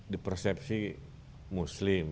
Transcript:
di persepsi muslim